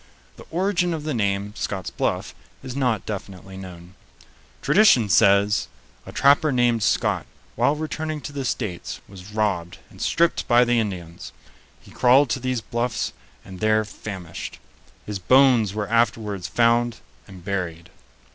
The origin of the name, Scott's Bluff, is not definitely known. Tradition says: "A trapper named Scott, while returning to the States, was robbed and stripped by the Indians. He crawled to these Bluffs and there famished. His bones were afterwards found and buried."